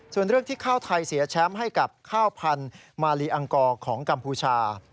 ส่วนเรื่องที่ข้าวไทยเสียแชมป์ให้กับข้าวพันธุ์มาลีอังกอร์ของกัมพูชา